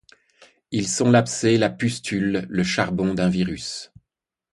Ils sont l’abcèsla pustule – le charbon d’un virus.